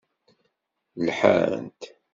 Lḥant.